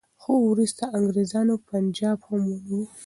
خو وروسته انګریزانو پنجاب هم ونیو.